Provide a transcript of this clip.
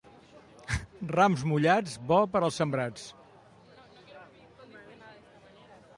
Rams mullats, bo per als sembrats.